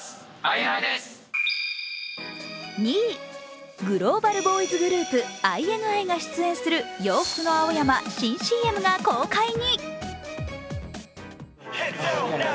２位、グローバルボーイズグループ・ＩＮＩが出演する洋服の青山新ＣＭが公開に。